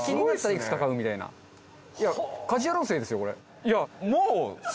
いや家事ヤロウ生ですよこれ。